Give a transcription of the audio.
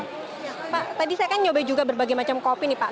pak tadi saya kan nyoba juga berbagai macam kopi nih pak